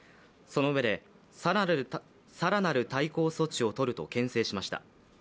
そのうえで、更なる対抗措置を取るとけん制しました。